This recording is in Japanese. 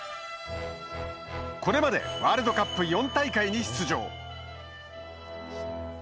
これまでワールドカップ４大会に出場。